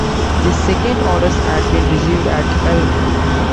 These second orders had been received at Elma.